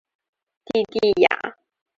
蒂蒂雅。